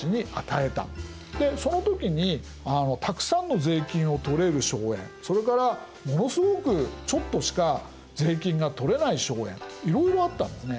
でその時にたくさんの税金を取れる荘園それからものすごくちょっとしか税金が取れない荘園いろいろあったんですね。